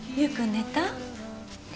寝た。